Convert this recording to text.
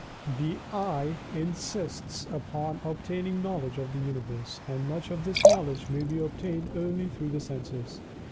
The "I" insists upon obtaining knowledge of the Universe, and much of this knowledge may be obtained only through the senses.